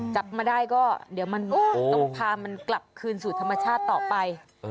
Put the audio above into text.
จับมาได้ก็เดี๋ยวมันต้องพามันกลับคืนสู่ธรรมชาติต่อไป